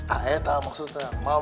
aeta maksudnya mamam